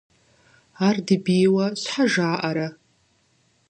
Ар ди бийуэ щхьэ жаӀэрэ?